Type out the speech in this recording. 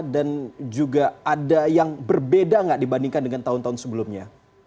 dan juga ada yang berbeda nggak dibandingkan dengan tahun tahun sebelumnya